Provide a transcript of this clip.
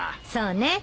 そうね。